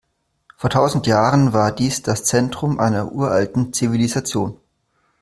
Vor tausend Jahren war dies das Zentrum einer uralten Zivilisation.